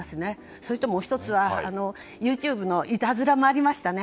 それともう１つはＹｏｕＴｕｂｅのいたずらもありましたね。